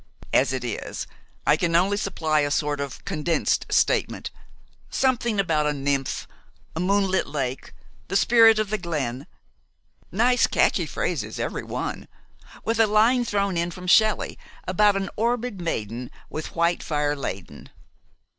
As it is, I can only supply a sort of condensed statement, something about a nymph, a moonlit lake, the spirit of the glen, nice catchy phrases every one, with a line thrown in from Shelley about an 'orbéd maiden with white fire laden.'